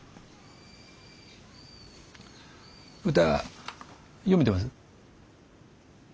歌詠めてます？